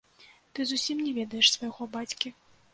Ты зусім не ведаеш свайго бацькі.